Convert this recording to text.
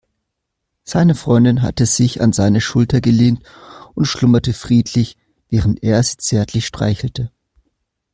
Seine Freundin hatte sich an seine Schulter gelehnt und schlummerte friedlich, während er sie zärtlich streichelte.